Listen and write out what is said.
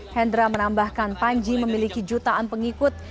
hendra menambahkan panji memiliki jutaan pengikut